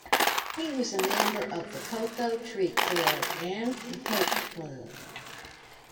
He was member of the Cocoa Tree Club and The Poker Club.